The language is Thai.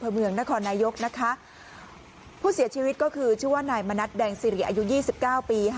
อำเภอเมืองนครนายกผู้เสียชีวิตคือชื่อว่านายมานะธแดงศิรีอายุ๒๙ปี